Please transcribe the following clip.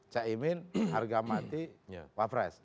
cak imin harga mati pak fries